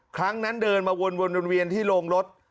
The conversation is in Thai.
ครั้งนั้นเดินมาวนเวียนที่โรงรถ